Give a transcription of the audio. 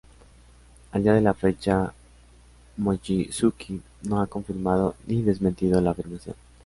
A día de la fecha, Mochizuki no ha confirmado ni desmentido la afirmación.